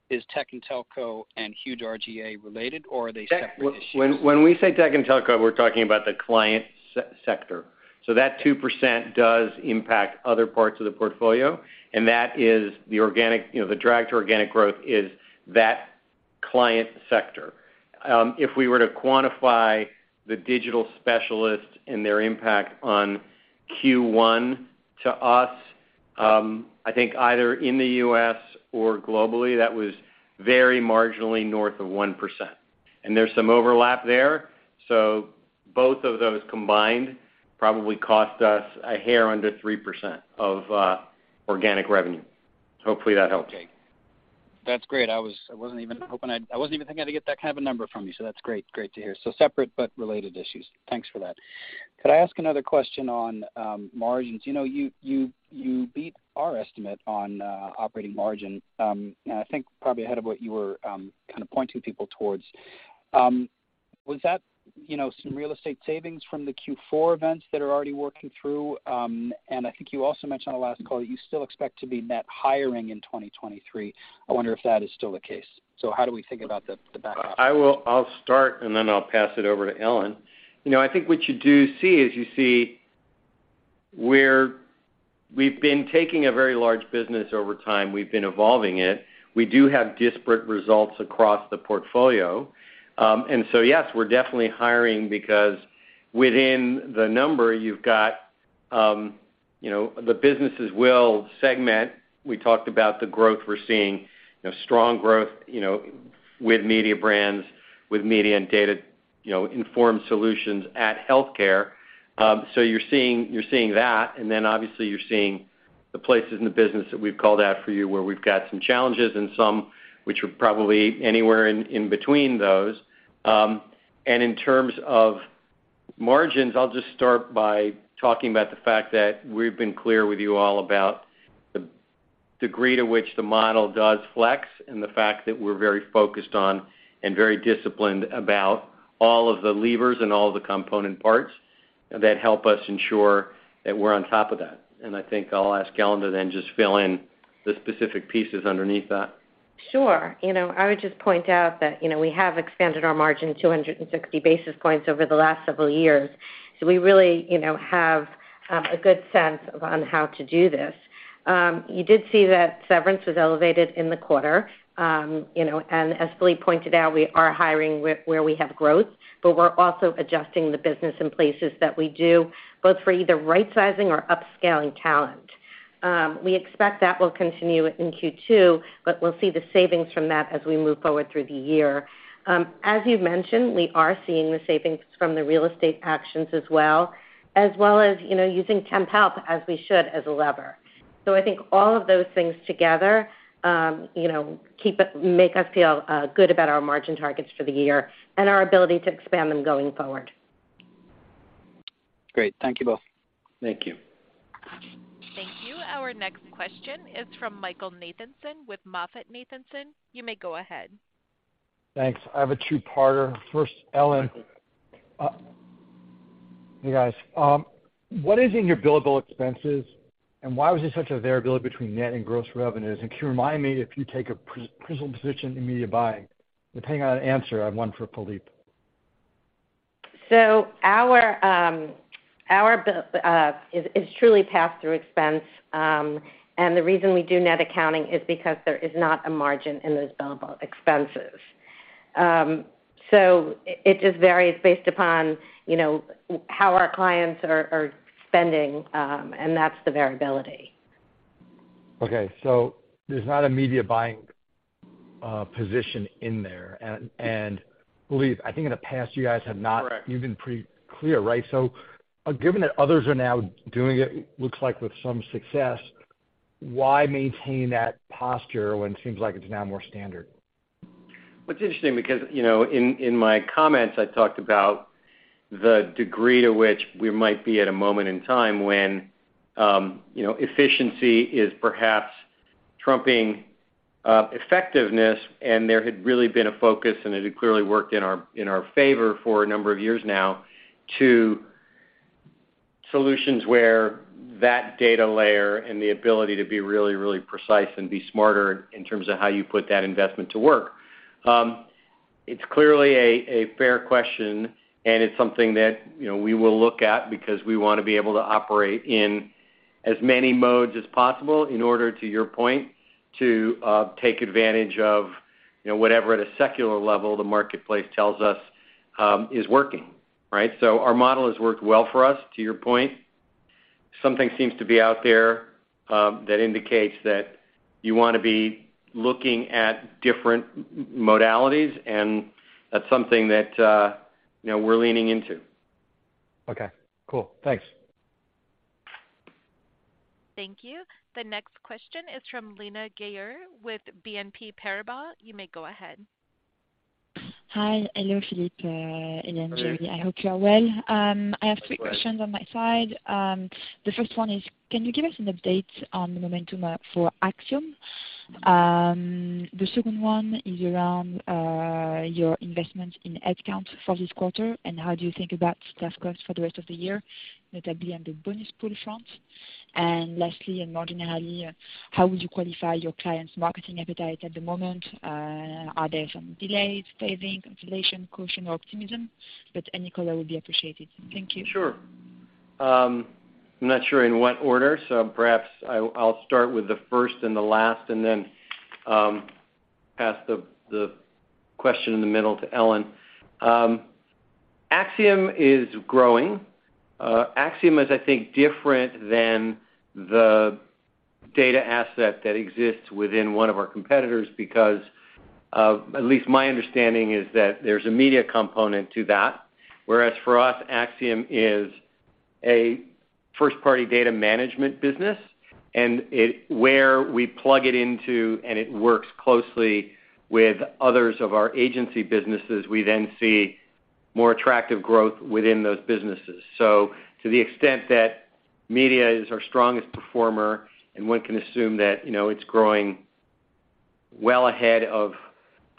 Is tech and telco and Huge and R/GA related, or are they separate issues? When we say tech and telco, we're talking about the client sector. That 2% does impact other parts of the portfolio, and that is the organic, you know, the drag to organic growth is that client sector. If we were to quantify the digital specialists and their impact on Q1 to us, I think either in the U.S. or globally, that was very marginally north of 1%. There's some overlap there, both of those combined probably cost us a hair under 3% of organic revenue. Hopefully, that helps. Okay. That's great. I wasn't even thinking I'd get that kind of a number from you, that's great to hear. Separate but related issues. Thanks for that. Could I ask another question on margins? You know, you beat our estimate on operating margin, and I think probably ahead of what you were kind of pointing people towards. Was that, you know, some real estate savings from the Q4 events that are already working through? And I think you also mentioned on the last call that you still expect to be net hiring in 2023. I wonder if that is still the case. How do we think about the back half? I'll start. I'll pass it over to Ellen. You know, I think what you do see is you see where we've been taking a very large business over time. We've been evolving it. We do have disparate results across the portfolio. Yes, we're definitely hiring because within the number you've got, you know, the businesses will segment. We talked about the growth we're seeing, you know, strong growth, you know, with Mediabrands, with media and data, you know, informed solutions at healthcare. You're seeing that, obviously you're seeing the places in the business that we've called out for you where we've got some challenges and some which are probably anywhere in between those. In terms of margins, I'll just start by talking about the fact that we've been clear with you all about the degree to which the model does flex and the fact that we're very focused on and very disciplined about all of the levers and all of the component parts that help us ensure that we're on top of that. I think I'll ask Ellen to then just fill in the specific pieces underneath that. Sure. You know, I would just point out that, you know, we have expanded our margin 260 basis points over the last several years. We really, you know, have a good sense on how to do this. You did see that severance was elevated in the quarter. You know, and as Philippe pointed out, we are hiring where we have growth, but we're also adjusting the business in places that we do, both for either right-sizing or upscaling talent. We expect that will continue in Q2, but we'll see the savings from that as we move forward through the year. As you mentioned, we are seeing the savings from the real estate actions as well, as well as, you know, using temp help as we should as a lever. I think all of those things together, you know, make us feel good about our margin targets for the year and our ability to expand them going forward. Great. Thank you both. Thank you. Thank you. Our next question is from Michael Nathanson with MoffettNathanson. You may go ahead. Thanks. I have a two-parter. First, Ellen, hey, guys. What is in your billable expenses, and why was there such a variability between net and gross revenues? Can you remind me if you take a principal position in media buying? Depending on an answer, I have one for Philippe. Our is truly pass-through expense. The reason we do net accounting is because there is not a margin in those billable expenses. It just varies based upon, you know, how our clients are spending, and that's the variability. Okay. There's not a media buying, position in there. And Philippe, I think in the past, you guys have not- Correct. been pre-clear, right? Given that others are now doing it, looks like with some success, why maintain that posture when it seems like it's now more standard? It's interesting because, you know, in my comments, I talked about the degree to which we might be at a moment in time when, you know, efficiency is perhaps trumping effectiveness, and there had really been a focus, and it had clearly worked in our favor for a number of years now, to solutions where that data layer and the ability to be really precise and be smarter in terms of how you put that investment to work. It's clearly a fair question, and it's something that, you know, we will look at because we wanna be able to operate in as many modes as possible in order, to your point, to take advantage of, you know, whatever at a secular level the marketplace tells us, is working, right? Our model has worked well for us, to your point. Something seems to be out there, that indicates that you wanna be looking at different modalities, and that's something that, you know, we're leaning into. Okay, cool. Thanks. Thank you. The next question is from Lina Ghayor with BNP Paribas. You may go ahead. Hi. Hello, Philippe, Ellen, Jerry. I hope you are well. I have three questions on my side. The first one is, can you give us an update on the momentum for Acxiom? The second one is around your investment in head count for this quarter, and how do you think about staff costs for the rest of the year, notably on the bonus pool front. Lastly, and more generally, how would you qualify your clients' marketing appetite at the moment? Are there some delays, saving, cancellation, caution or optimism? Any color will be appreciated. Thank you. Sure. I'm not sure in what order, so perhaps I'll start with the first and the last and then pass the question in the middle to Ellen. Acxiom is growing. Acxiom is, I think, different than the data asset that exists within one of our competitors because of. At least my understanding is that there's a media component to that, whereas for us, Acxiom is a first-party data management business, and where we plug it into, and it works closely with others of our agency businesses, we then see more attractive growth within those businesses. To the extent that media is our strongest performer, and one can assume that, you know, it's growing well ahead of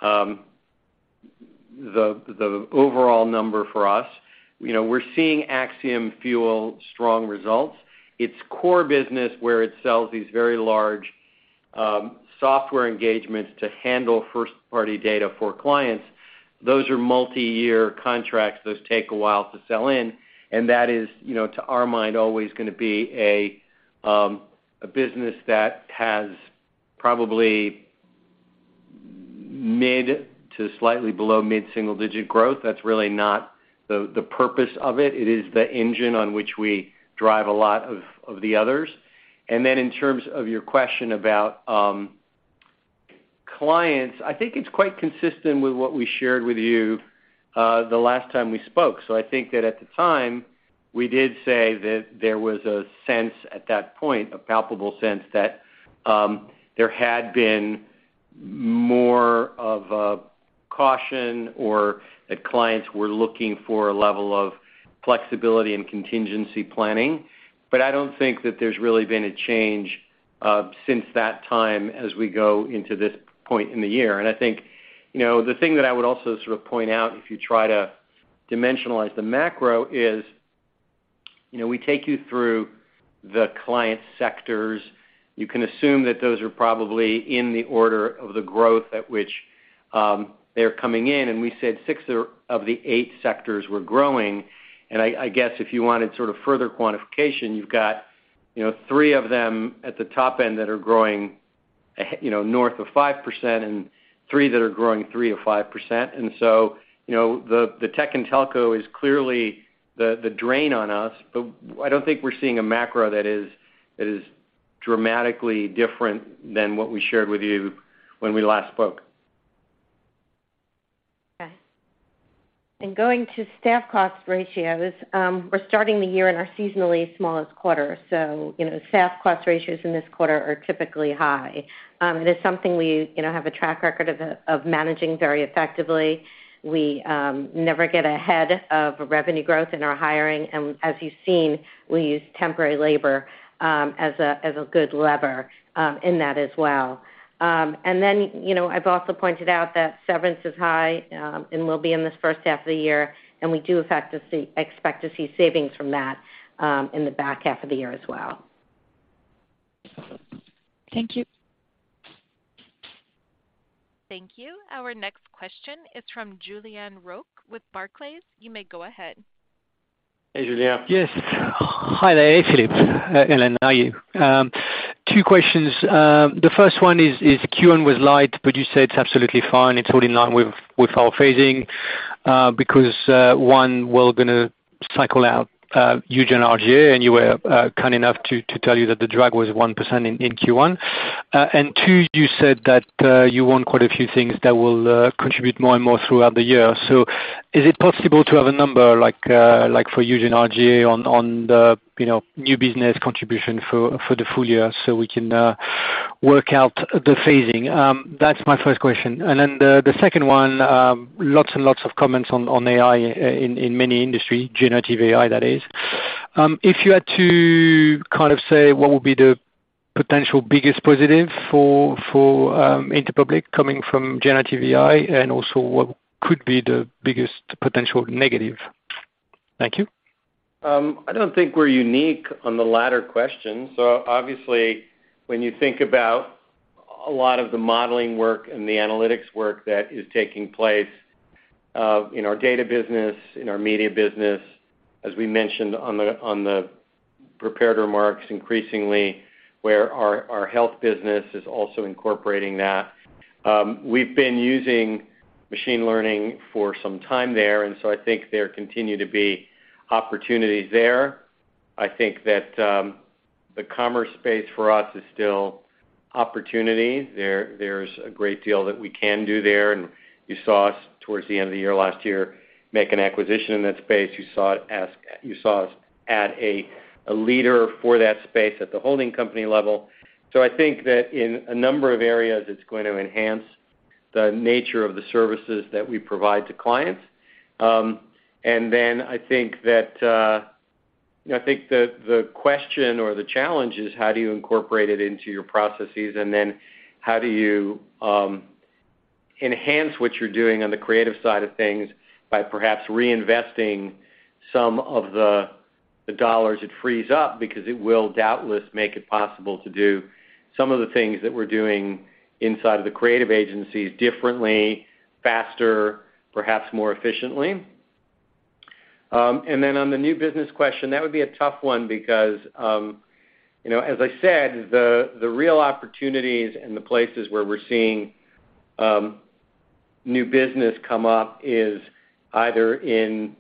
the overall number for us. You know, we're seeing Acxiom fuel strong results. Its core business, where it sells these very large software engagements to handle first-party data for clients, those are multi-year contracts. Those take a while to sell in, and that is, you know, to our mind, always gonna be a business that has probably mid to slightly below mid-single-digit growth. That's really not the purpose of it. It is the engine on which we drive a lot of the others. In terms of your question about clients, I think it's quite consistent with what we shared with you the last time we spoke. I think that at the time, we did say that there was a sense at that point, a palpable sense that there had been more of a caution or that clients were looking for a level of flexibility and contingency planning. I don't think that there's really been a change since that time as we go into this point in the year. I think, you know, the thing that I would also sort of point out if you try to dimensionalize the macro is, you know, we take you through the client sectors. You can assume that those are probably in the order of the growth at which they're coming in. We said six of the eight sectors were growing. I guess if you wanted sort of further quantification, you've got, you know, three of them at the top end that are growing, you know, north of 5% and three that are growing 3%-5%. You know, the tech and telco is clearly the drain on us, but I don't think we're seeing a macro that is dramatically different than what we shared with you when we last spoke. Okay. Going to staff cost ratios, we're starting the year in our seasonally smallest quarter. You know, staff cost ratios in this quarter are typically high. It is something we, you know, have a track record of managing very effectively. We never get ahead of revenue growth in our hiring. As you've seen, we use temporary labor as a good lever in that as well. You know, I've also pointed out that severance is high and will be in this first half of the year, and we do expect to see savings from that in the back half of the year as well. Thank you. Thank you. Our next question is from Julien Roch with Barclays. You may go ahead. Hey, Julien. Yes. Hi there. Hey, Philippe. Ellen, how are you? Two questions. The first one is Q1 was light, but you said it's absolutely fine. It's all in line with our phasing because One, we're gonna cycle out Huge R/GA, and you were kind enough to tell you that the drag was 1% in Q1. Two, you said that you won quite a few things that will contribute more and more throughout the year. Is it possible to have a number like for Huge R/GA on the, you know, new business contribution for the full year so we can work out the phasing? That's my first question. The second one, lots of comments on AI in many industry, generative AI that is. If you had to kind of say what would be the potential biggest positive for Interpublic coming from Generative AI and also what could be the biggest potential negative? Thank you. I don't think we're unique on the latter question. Obviously when you think about a lot of the modeling work and the analytics work that is taking place, in our data business, in our media business, as we mentioned on the prepared remarks increasingly where our health business is also incorporating that, we've been using machine learning for some time there and I think there continue to be opportunities there. I think that the commerce space for us is still opportunity. There's a great deal that we can do there, and you saw us towards the end of the year, last year, make an acquisition in that space. You saw us add a leader for that space at the holding company level. I think that in a number of areas, it's going to enhance the nature of the services that we provide to clients. Then I think that, I think the question or the challenge is how do you incorporate it into your processes? Then how do you, enhance what you're doing on the creative side of things by perhaps reinvesting some of the dollars it frees up because it will doubtless make it possible to do some of the things that we're doing inside of the creative agencies differently, faster, perhaps more efficiently. Then on the new business question, that would be a tough one because, you know, as I said, the real opportunities and the places where we're seeing new business come up is either in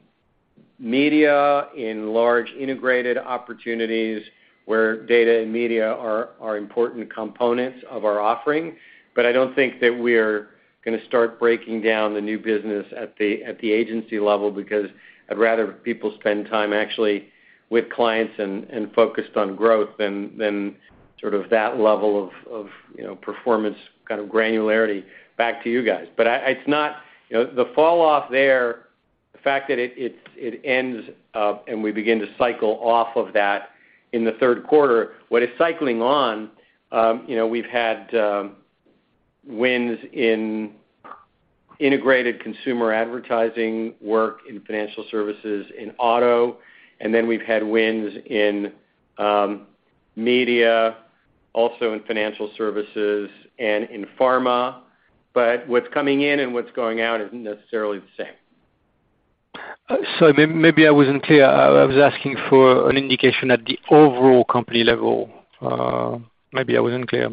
media, in large integrated opportunities where data and media are important components of our offering. I don't think that we're gonna start breaking down the new business at the agency level, because I'd rather people spend time actually with clients and focused on growth than sort of that level of, you know, performance kind of granularity back to you guys. It's not, you know, the fall off there, the fact that it ends up and we begin to cycle off of that in the third quarter. What is cycling on, you know, we've had wins in integrated consumer advertising work in financial services, in auto. We've had wins in media, also in financial services and in pharma. What's coming in and what's going out isn't necessarily the same. Maybe I wasn't clear. I was asking for an indication at the overall company level. Maybe I wasn't clear.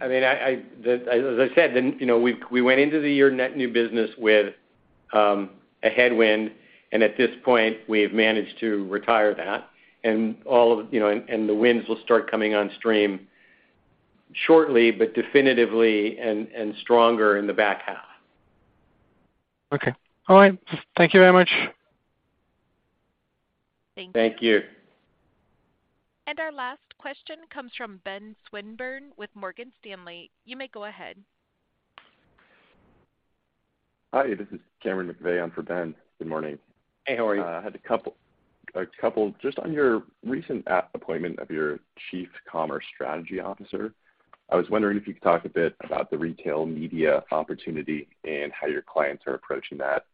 I mean, as I said, then, you know, we went into the year net new business with a headwind, and at this point, we've managed to retire that. All of, you know, and the winds will start coming on stream shortly, but definitively and stronger in the back half. Okay. All right. Thank you very much. Thank you. Our last question comes from Ben Swinburne with Morgan Stanley. You may go ahead. Hi, this is Cameron McVeigh on for Ben. Good morning. Hey, how are you? I had a couple just on your recent appointment of your chief commerce strategy officer, I was wondering if you could talk a bit about the retail media opportunity and how your clients are approaching that.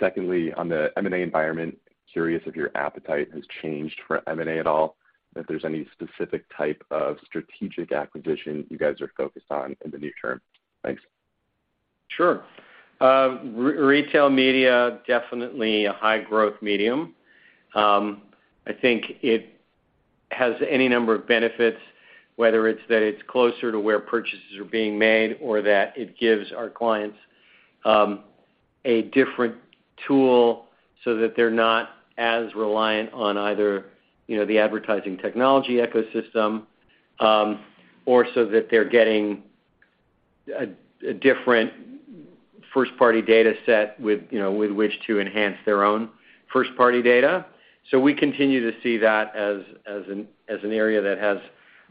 Secondly, on the M&A environment, curious if your appetite has changed for M&A at all, and if there's any specific type of strategic acquisition you guys are focused on in the near term. Thanks. Sure. re-retail media, definitely a high growth medium. I think it has any number of benefits, whether it's that it's closer to where purchases are being made or that it gives our clients, a different tool so that they're not as reliant on either, you know, the advertising technology ecosystem, or so that they're getting a different first party data set with, you know, with which to enhance their own first party data. We continue to see that as an area that has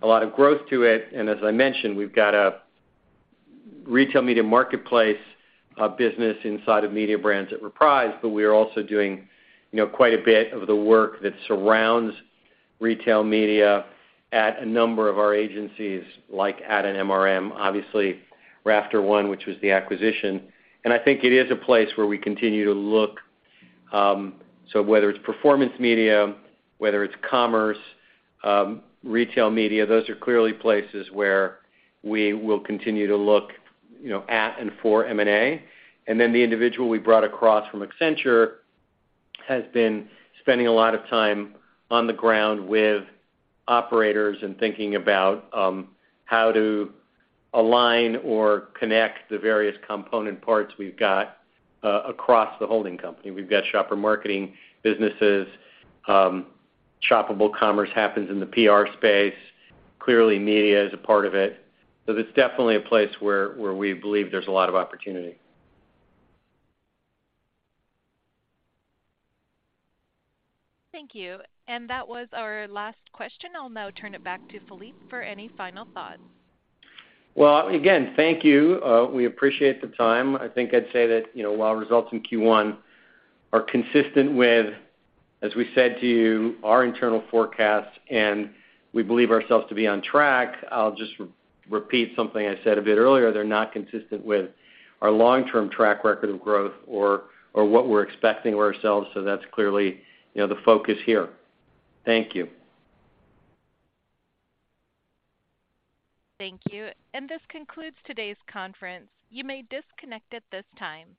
a lot of growth to it. As I mentioned, we've got a retail media marketplace, business inside of Mediabrands at Reprise, but we are also doing, you know, quite a bit of the work that surrounds retail media at a number of our agencies, like at an MRM. Obviously, RafterOne, which was the acquisition. I think it is a place where we continue to look, so whether it's performance media, whether it's commerce, retail media, those are clearly places where we will continue to look, you know, at and for M&A. The individual we brought across from Accenture has been spending a lot of time on the ground with operators and thinking about how to align or connect the various component parts we've got across the holding company. We've got shopper marketing businesses. Shoppable commerce happens in the PR space. Clearly, media is a part of it. It's definitely a place where we believe there's a lot of opportunity. Thank you. That was our last question. I'll now turn it back to Philippe for any final thoughts. Well, again, thank you. We appreciate the time. I think I'd say that, you know, while results in Q1 are consistent with, as we said to you, our internal forecasts, we believe ourselves to be on track, I'll just repeat something I said a bit earlier. They're not consistent with our long-term track record of growth or what we're expecting of ourselves. That's clearly, you know, the focus here. Thank you. Thank you. This concludes today's conference. You may disconnect at this time.